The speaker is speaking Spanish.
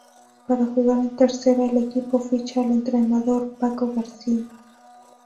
Para jugar en Tercera el equipo ficha al entrenador Paco García.